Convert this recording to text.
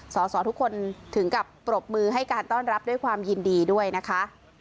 สอสอทุกคนถึงกับปรบมือให้การต้อนรับด้วยความยินดีด้วยนะคะ